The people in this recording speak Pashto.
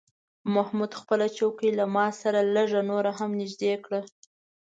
محمود خپله چوکۍ له ما سره لږه نوره هم نږدې کړه.